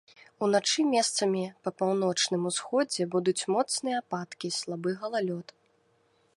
Уначы месцамі па паўночным усходзе будуць моцныя ападкі, слабы галалёд.